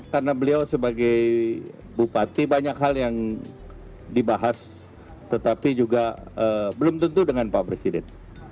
karena beliau sebagai bupati banyak hal yang dibahas tetapi juga belum tentu dengan pak presiden